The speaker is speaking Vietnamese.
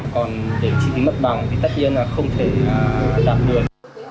còn để chi phí mất bằng thì tất nhiên là không thể làm được